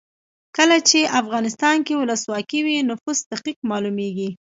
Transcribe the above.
کله چې افغانستان کې ولسواکي وي نفوس دقیق مالومیږي.